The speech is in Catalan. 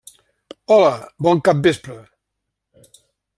Hola, bon capvespre!